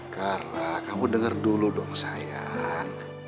karla kamu denger dulu dong sayang